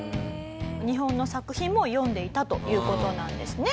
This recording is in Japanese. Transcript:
日本の作品も読んでいたという事なんですね。